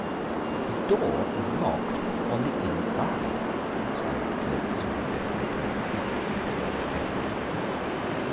"The door is locked on the inside!" exclaimed Clovis, who had deftly turned the key as he affected to test it.